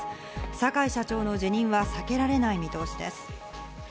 坂井社長の辞任は避けられない見通しです。